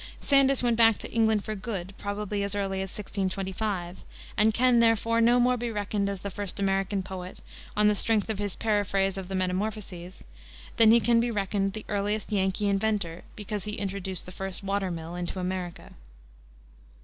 Sandys went back to England for good, probably as early as 1625, and can, therefore, no more be reckoned as the first American poet, on the strength of his paraphrase of the Metamorphoses, than he can be reckoned the earliest Yankee inventor, because he "introduced the first water mill into America."